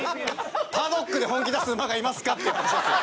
パドックで本気出す馬がいますかっていう話ですよ。